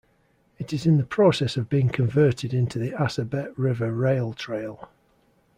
It is in the process of being converted into the Assabet River Rail Trail.